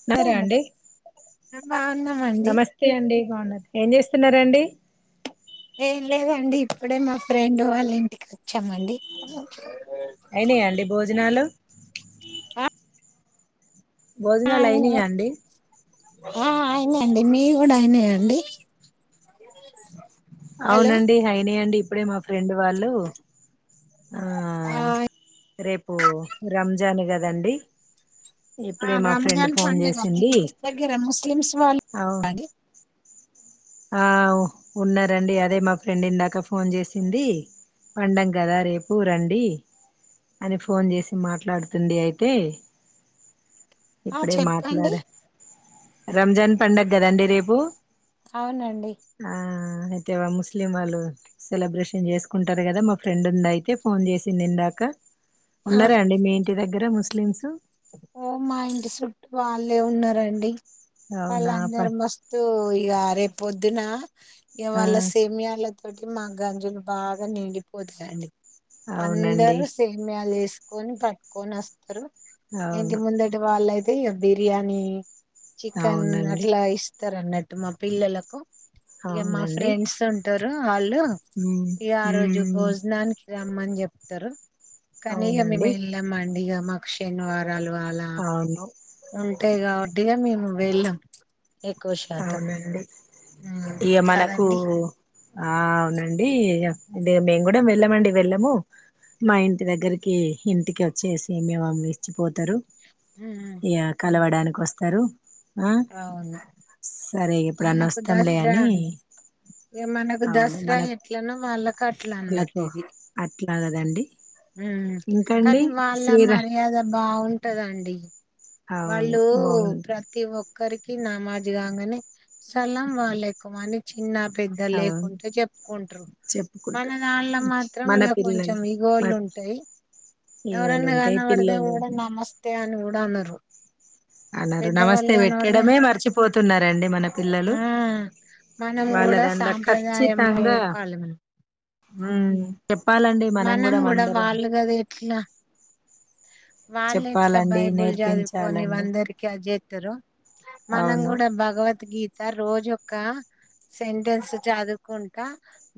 తిన్నరా అండి బాగున్నామండి నమస్తే అండి బాగున్నారు ఏం చేస్తున్నారండి ఏం లేదండి ఇప్పుడే మా ఫ్రెండ్ వాళ్ళ ఇంటికి వచ్చామండి అయినాయాండి భోజనాలు భోజనాలు అయినాయా అండి ఆ అయినండి మీవి కూడా అయినాయంండి అవునండి అయినాయి అండి ఇప్పుడే మా ఫ్రెండ్ వాళ్ళు ఆ రేపు రంజాన్ కదండి ఇప్పుడే మా ఫ్రెండ్ రంజాన్ ఫోన్ పండుగ మీ చేసింది ఇంటి దగ్గర ముస్లిమ్స్ వాళ్ళు అవు అండి ఆ ఉన్నారంండి అదే మా ఫ్రెండ్ ఇందాక ఫోన్ చేసింది పడగా కదా రేపు రండి అని ఫోన్ చేసి మాట్లాడుతుంది అయితే ఆ ఇప్పుడే చెప్పండి మాట్లాడా రంజాన్ పండగ కదండి రేపు అవునండి ఆ అయితే వా ముస్లిం వాళ్ళు సెలబ్రేషన్ చేసుకుంటారు కదా మా ఫ్రెండ్ ఉంది అయితే ఫోన్ చేసింది ఇందాక ఆ ఉన్నారా అండి మీ ఇంటి దగ్గర ముస్లిమ్స్ ఓ మా ఇంటి చుట్టూ వాళ్ళే ఉన్నారండి అవునా ప వాళ్ళందరూ మస్తు ఇగ రేపుొద్దున ఆ ఇవాళ సమయాల తోటి మా గంజులు బాగా నిండిపోతాయండి అవునండి అందరుూ సేమ్యాలు వేసుకొని పట్టుకొని వస్తారు ఇంటి అవును ముందటి వాళ్ళయితే ఇక బిర్యానీ చికెన్ అవునండి అట్లా ఇస్తారున్నట్టు టు మా పిల్లలకు ఇక మా అవునండి ఫ్రెండ్స్ ఉంటు వాళ్లు ఉమ్ ఇగ ఆ రోజు ఉమ్ భోజనానికి రమ్మని చెప్తారు కనీ ఇగ మేము అవునండి వెళ్ళాము అండి ఇగ మాకు శనివారాలు వాాలా అవును ఉంటాయి కాబట్టిగా ఇగ మేము వెళ్ళాం ఎక్కువ శాతం. అవునండి హ్మ్ ఇగ మనకు కదండి ఆ అవునండి ఇగ ఇది మేము కూడా వెళ్ళమండి వెళ్ళము మా ఇంటి దగ్గరికి ఇంటికి వచ్చేసి మేము ఇచ్చిపోత తారు హ్మ్ ఇగ కలవడానికి వస్తారు ఆ అవును సరే ఎప్పుడన్నా మనకు వస్తాంలే దసరా అని ఇగ మనకు అవును దసరా ఎట్లనో వాళ్ళకు అట్లా అన్నట్టటు మనలకు ఇది అట్లా కదండి ఉ ఇంకండి కాని వాళ్ళ శ్రీరా మర్యాద బావు ఉంటదండి అవును వాళ్ళు బాగుంది ప్రతి ఒక్కరికి కి నమాజ్ కాంగనే సలాం వాలేకుం అని చిన్న పెద్ద అవును లేకుంటే చెప్పుకుంటురూ మన చెప్పుకుంటు దానిలో మాత్రం మన ఇగ కొంచెం పిల్లలు ఇగోళ్ళు మ ఉంటాయి ఇగోలు ఎవరన్నా ఉంటాయి కనపడితే పిల్లలు కూడా నమస్తే అని కూడా అనరు అన్నారు పెద్దవాళ్ళు నమస్తే కనబడితే పెట్టడమే మర్చిపోతున్నారంండి మన పిల్లలు ఆ మనం కూడా వాళ్ళదాంల సాంప్రదాయం కచ్చితాంగా నేర్పాలి మనం. ఉ చెప్పాలండి మనం కూడా అందరం వాళ్ళు కదా ఎట్లా వాళ్ళు ఎట్లా బైబుల్ చదువుకోని నేర్పించాలండి అందరికి అజే టారో మనం అవును కూడా భగవద్గీత రోజొక్క సెంటెన్స్ చదువుకుంటా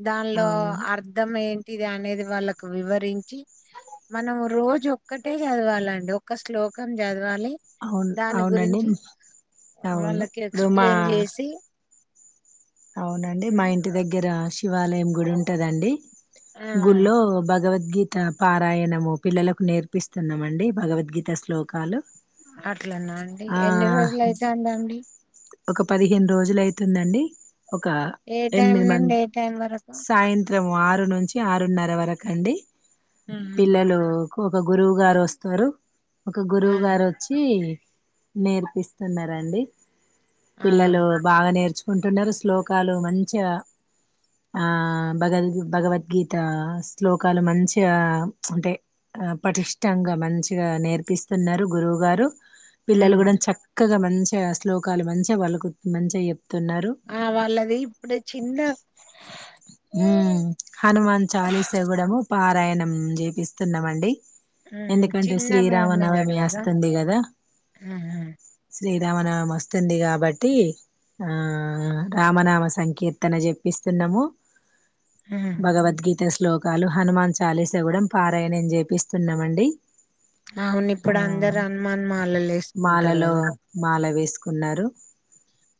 దానిలో అవును అర్ధం ఏంటిది అనేది వాళ్ళకు వివరించి మనం రోజు ఒక్కటే చదవాలండి ఒక్క శ్లోకం చదివ అవును దాని అవునండి గురించి అవును వాళ్ళకి ఇప్పుడు మా ఎక్స్ప్లెయిన్ చేసి అవునండి మా ఇంటి దగ్గర శివాలయం గుడి ఉంటదండి ఆ గుల్లో భగవద్గీత పారాయణము పిల్లలకు నేర్పిస్తున్నామండి భగవద్గీత శ్లోకాలు అట్లన్నా అండి ఆ ఎన్ని రోజులు అయితంది అండి ఒక పదిహేను రోజులు అవుతుందండి ఒక ఏ టైం ఎనిమిది మంది నుండి ఏ టైం వరకు సాయంత్రం ఆరు ఆరు నుంచి ఆరున్నర వరకు అండి ఉమ్. పిల్లలు ఒక గురువు గారు వస్తారు ఒక ఆ గురువు గారు వచ్చి నేర్పిస్తున్నరండి ఆ పిల్లలు బాగా నేర్చుకుంటున్నారు శ్లోకాలు మంచిగా ఆ భగద్ భగవద్గీత శ్లోకాలు మంచిగా ఉంటాయి పటిష్టంగా మంచిగా నేర్పిస్తున్నారు గురువు గారు పిల్లలు ఉమ్ కూడా చక్కగా మంచిగా ఆ శ్లోకాలు మంచిగా పలుకు మంచిగా చెప్తున్నారు ఆ వాళ్ళది ఇప్పుడే చిన్న ఉ హనుమాన్ చాలీస గూడ పారాయణం చేపిస్తున్నామండి ఉహు ఎందుకంటే చిన్న మె శ్రీరామ మెదడు నవమి కదా వస్తుంది కదా ఉహు శ్రీరామ నవమి వస్తుంది కాబట్టి ఆ రామనామ సంకీర్తన చెప్పిస్తున్నాము ఉహు భగవద్గీత శ్లోకాలు హనుమాన్ చాలీస కూడా పారాయణం చేపిస్తున్నామండి అవును ఆ ఇప్పుడు అందరు హనుమాన్ మాలలు వేసుకుంటారు మాలలో కదా మాల వేసి ఏసుకున్నారు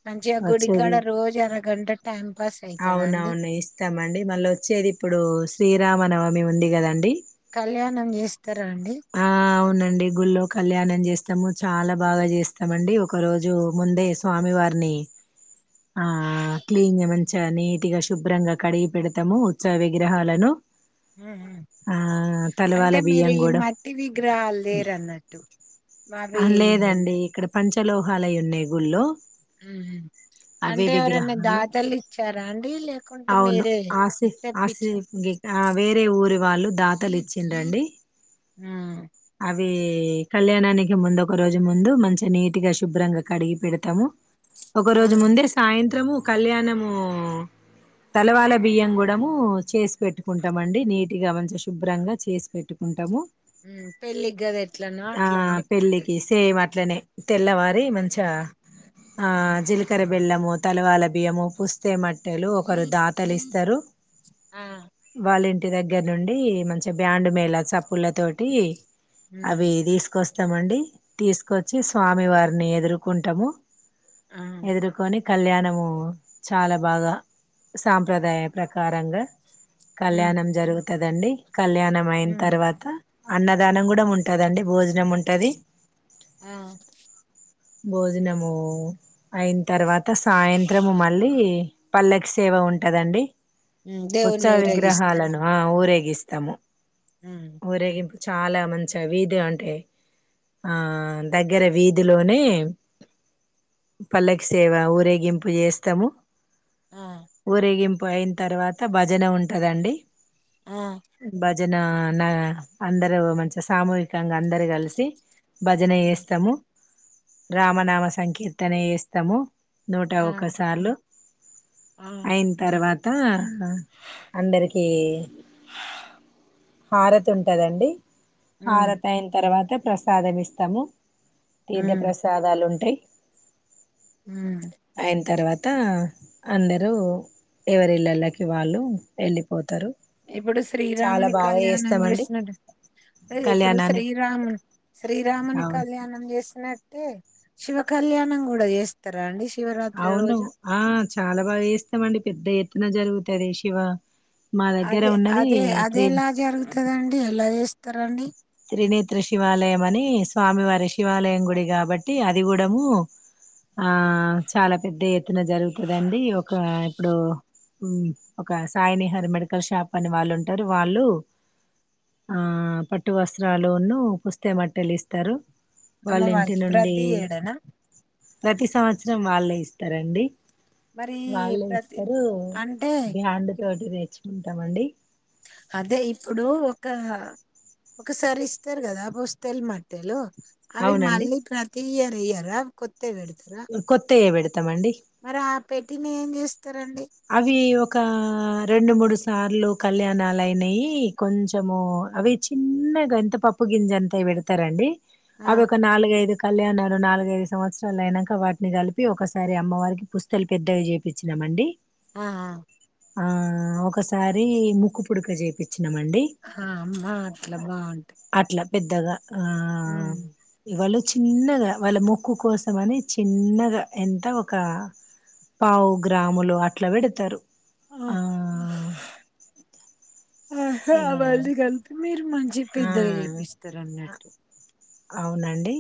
మంచిగా గుడికాడ రోజు అరగంట టైం పాస్ అవుతుందా అండి ఏస్తాం అండి మళ్ళ వచ్చేది ఇప్పుడు శ్రీరామ నవమి ఉంది కదండి కళ్యాణం చేస్తారా అండి ఆ అవునండి గుళ్ళో కళ్యాణం చేస్త ఇష్టము చాలా బాగా చేస్తామండి ఒక రోజు ముందే స్వామి వారిని ఆ క్లీన్ మంచి నీట్ గా శుభ్రంగా కడిగి పెడతాము ఉత్సవ విగ్రహాలను ఆ తలవాల అంటే మీరు బియ్యం ఈ కూడా మట్టి విగ్రహాలు లేేరన్నట్టు ఆ లేదండి ఇక్కడ పంచలోహాలు అయ్యి ఉన్నాయి గుళ్ళో అవే అంటే ఎవరనా విగ్రహాలు దాతలు ఇచ్చారా అండి లేక అవును ఆసె ఆసె వేరేఊ ఊరి వాళ్ళు దాతలి ఇచ్చిండండి హ్మ్మ్ అవి కళ్యాణానికి ముందు ఒక రోజు ముందు మంచి నీటు గా శుభ్రంగా కడిగి పెడతాము ఒక ఆ రోజు ముందే సాయంత్రము కళ్యాణము తలవాల బియ్యం కూడాము చేసి పెట్టుకుంటామ అండి నీట్గా మంచిగా శుభ్రంగా చేసి పెట్టుకుంటాము పెళ్ళి కదా ఎట్లన ఆ అట్లా అన్ని ప్రిపర్ పెళ్ళికి సేమ్ అట్లనే తెల్లవారి మంచి ఆ జీలకర బెల్లము తలవాల బియము పుస్తే మట్ లు ఒకరు దాతలు ఇస్తారు ఆ వాళ్ళ ఇంటి దగ్గర నుండి మంచి బ్యాండ్ మేల చప్పుల తోటి ఉమ్ అవి తీసుకొస్తా స్తాండి తీసుకొచ్చి స్వామి వారిని ఎదుర్కుంటాము ఆ ఎదుర్కొని కళ్యాణము చాలా బాగా సాంప్రదాయ ప్రకారంగా ఉమ్ కళ్యాణం జరుగుతుదండి కళ్యాణం అయిన ఉమ్ తర్వాత అన్నదానం కూడా ఉంటదండి భోజనం ఉంటది ఆ భోజనము అయిన తర్వాత సాయంత్రము మళ్ళీ పల్లెకి సేవ ఉంటదండి హ్మ్ దేవుణ్ణి ఉత్సవ ఊరేగిస్తారా? విగ్రహాలను ఆ ఊరేగిస్త స్తాము హ్మ్. ఊరేగింపు చాలా మంచిగా వీధి అంటే ఆ దగ్గర వీధిలోనే పల్లకి సేవ ఊరేగింపు చేస్తాము ఆ! ఊరేగింపు అయిన తర్వాత భజన ఉంటదండి ఆ! భ జన నా అందరు మంచిగ సామూహికంగా అందరు కలిసి భజన హ్మ్. చేస్తము హ్మ్. రామనామ సంకీర్తన చేస్తాము నూట ఆ! ఒక్క సార్లు ఆ! అయిన తర్వాత అందరికి హారతి ఉంటదండి హ్మ్. హారత అయిన తర్వాత ప్రసాదం ఇస్తాము తీర్థ హ్మ్. ప్రసాదాలు ఉంటాయి హ్మ్. అయిన తర్వాత అందరూ ఎవరిళ్లళకి వాళ్ళు వెళ్ళిపోతారు ఇప్పుడు చాలా శ్రీరాముని బాగా కళ్యాణం చేస్తామండి చేసినట్టు అంటే ఇప్పుడు కళ్యాణాన్ని శ్రీరామున్ శ్రీరామున్ అవును కళ్యాణం చేస్త నట్టే శివ కళ్యాణం కూడా చేస్తారా అండి శివరాత్రి అవును రోజు? ఆ చాలా బాగా చేస్తామండి పెద్ద ఎత్తున జరుగుతది శివ మా దగ్గర ఉన్నది త్రీ కదండి ఎలా చేస్తారండి త్రినేత్ర శివాలయం అని స్వామివారి శివాలయం గుడి కాబట్టి అది కుడము ఆ చాలా పెద్ద ఎత్తున జరుగుతదండి ఒక ఇప్పుడు ఒక సాయినిహర్ మెడికల్ షాప్ అని వాళ్ళు ఉంటారు వాళ్ళు ఆ పట్టు వస్త్రాలున్ను పుస్తే మట్టలు ఇస్తారు వాళ్ళ ఇంటి అమ్మవారికి? నుండి ప్రతి ఏడానా? ప్రతి సంవత్సరం వాళ్ళే ఇస్తారండి మరి వాళ్ళు ప్రతి ఇస్తారు అంటే ఇప్ బ్యాండుతోటి తెచుకుంటామండి అదే ఇప్పుడు ఒక ఒకసారి ఇస్తరు కదా పుస్తెలు మట్టెలు అవి అవునండి మళ్ళీ ప్రతి ఇయర్ ఇయ్యరా కొ కొత్తయ పెడతామండి పెట్టినయ్ ఏం చేస్త అవి ఒక రెండు మూడు సార్లు కళ్యాణాలు అయినాయి కొంచెము అవి చిన్నగఎంత పప్పు గింజ అంతవి పెడతారండి ఆ అవి ఒక నాలుగ ఐదు కళ్యాణలు నాలుగైదు సంవత్సరాలు అయినాక వాటిని కలిపి ఒకసారి అమ్మవారికి పుస్తలు పెద్దవి చేపిచినామండి ఆ ఆ ఆ ఒకసారి ముక్కు పుడక చేపిచ్ నమండి ఆ అమ్మా అట్లా బాగుంటాయి అట్లా పెద్దగా ఆ హ్మ్ ఎవలు చిన్నగ వాళ్ళ మొక్కు కోసం అని చిన్నగా ఎంత ఒక పావు గ్రాములు అట్ల పెడతారు ఆ ఆహా ఇగ వాళ్ళు కలిపి మీరు మంచిగా ఆ పెద్దగా చేపిస్తారు అన్నట్టు అవునండి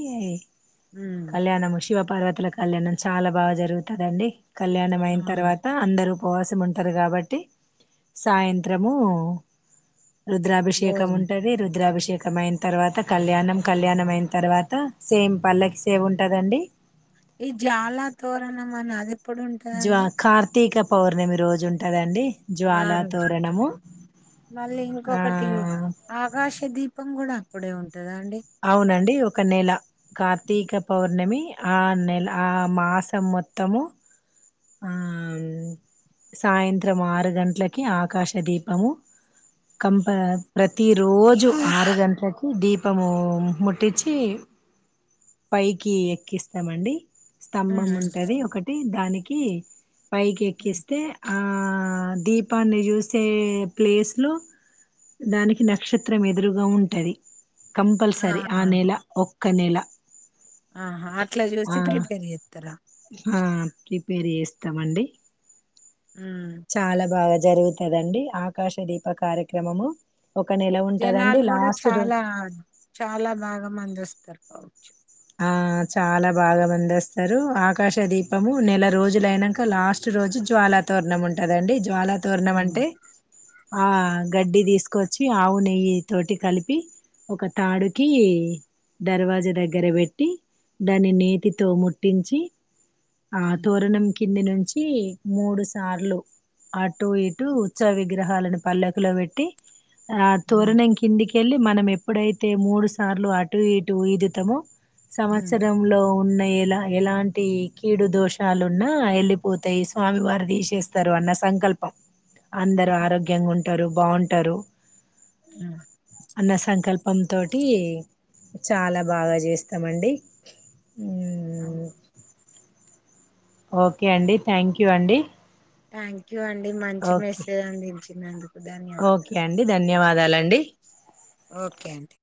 హ్మ్ కళ్యాణము శి శివపార్వతల కళ్యాణం చాలా బాగా జరుగుతదిండి కళ్యాణం అయిన అవును తర్వాత అందరుూ ఉపవాసం ఉంటారు కాబట్టి సాయంత్రము రుద్రాభిషేకం భోజనం ఉంటుంది రుద్రాభిషే శేకం అయిన్ తర్వాత కళ్యాణం కళ్యాణం అయిన తర్వాత సేమ్ పల్లకి ఏముంటాదండి ఈ జాలా తోరణం అని అదేప్పుడు ఉంటదండి తీక పౌర్ణమి రోజు ఉంటుందండి ఆ జ్వాలా రోజు ఉంటది తోరణము మళ్ళీ ఆ ఇంకొకటి ఆకాశ దీపం కూడా అప్పుడే ఉంటదా అండి అవునండి ఒక నెల కార్తీక పౌర్ణమి ఆ నెల ఆ మాసం మొత్తము, ఆ సాయంత్రం ఆరు గంట్లకి ఆకాశ దీపము కంప, ప్రతి రోజు ఆరు గంట్లకి దీప్ పము ముట్టిచి, పైకి ఎక్కిస్తామండి స్తంభం హ్మ్ ఉంటది ఒకటి దానికి పైకి హ్మ్ ఎక్కిస్తే ఆ దీపాన్ని చూసే ప్లేసులో దానికి నక్షత్రం ఎదురుగా ఉంటది కంపల్సరి ఆ నెల ఒక్క నెల ఆహా అట్లా ఆ చూసి ప్రిపేర్ చేత్తరా ఆ ప్రిపేర్ చేస్తామండి హ్మ్. చాలా బాగా జరుగుతదండి ఆకాశ దీప కార్యక్రమము ఒక నెల ఉంటదండి జనాలు కూడా లాస్ట్ రోజు చాలా చాలా బాగా మందోస్తరు కావచ్చు ఆ చాలా బాగా మందోస్తారు ఆకాశ దీపము నెల రోజులు అయినంక లాస్ట్ రోజు జ్వాలా తోరణం ఉంటదండి, జ్వాలా తోర్ణం హ్మ్. అంటే ఆ గడ్డి తీసుకొచ్చి ఆవు నెయ్యి తోటి కలిపి ఒక తాడుకి దర్వాజా దగ్గర పెట్ ట్టి, దాని నేతితో ముట్టించి ఆ హ్మ్. తోరణం కింది నుంచి మూడు సార్లు అటు ఇటు ఉత్స విగ్రహాలను పల్లకిలో పెట్టి ఆ హ్మ్. తోరణం కిందికి కెళ్ళి మనం ఎప్పుడైతే మూడు సార్లు అటు ఇటు ఈదుతమో హ్మ్. సంవత్సర లో ఉన్నాయి ఎలా ఎలాంటి కీడు దోషాలున్నా ఎళ్ళిపోతయి స్వామి వారు తీసేస్తారు అన్న స సంకల్పం అందరు ఆరోగ్యంగా ఉంటరు బాగుంటారు హ్మ్. అన్న సంకల్పం తోటి చాలా బాగా చేస్త తమండి, అవును. మ్మ్ ఓకే అండి, థ్యాంక్ యూ అండి. థ్యాంక్ యూ అండి మంచి ఓకే మెసేజ్ అందించినందుకు ఓకే ధన్యవాదాలు. అండి ధన్యవాదాలండి ఓకే అండి